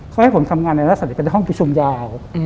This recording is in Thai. เขาให้ผมทำงานในลักษณะที่เป็นห้องประชุมยาว